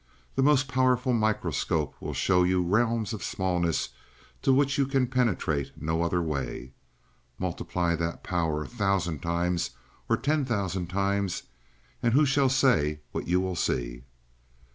The most powerful microscope will show you realms of smallness to which you can penetrate no other way. Multiply that power a thousand times, or ten thousand times, and who shall say what you will see?"